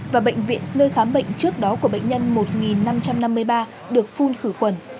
và bệnh viện nơi khám bệnh trước đó của bệnh nhân một năm trăm năm mươi ba được phun khử khuẩn